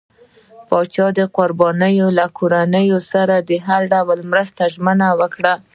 پاچا د قربانيانو له کورنۍ سره د هر ډول مرستې ژمنه کړه.